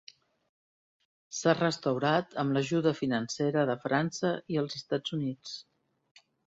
S'ha restaurat amb l'ajuda financera de França i els Estats Units.